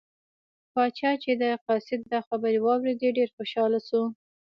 پاچا چې د قاصد دا خبرې واوریدلې ډېر خوشحاله شو.